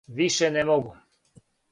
Више не могу.